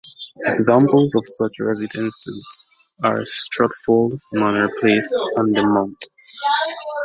Examples of such residences are 'Stotfold', 'Manor Place' and 'The Mount'.